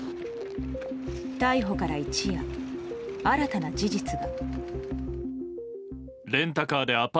逮捕から一夜、新たな事実が。